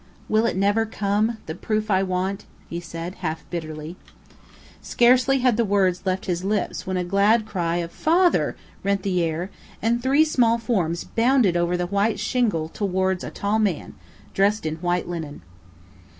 "Will it never come the proof I want?" he said, half bitterly. Scarcely had the words left his lips when a glad cry of "Father!" rent the air, and three small forms bounded over the white shingle towards a tall man, dressed in white linen.